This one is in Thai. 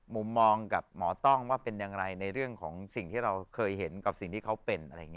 มุมมองกับหมอต้องว่าเป็นอย่างไรในเรื่องของสิ่งที่เราเคยเห็นกับสิ่งที่เขาเป็นอะไรอย่างนี้